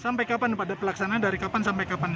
sampai kapan pak pelaksanaan dari kapan sampai kapan